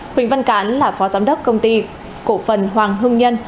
huỳnh văn cán là phó giám đốc công ty cổ phần hoàng hưng nhân